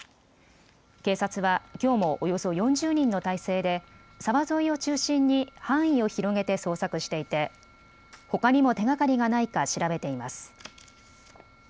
警察はきょうもおよそ４０人の態勢で沢沿いを中心に範囲を広げて捜索していてほかにも手がかりがないか調べています。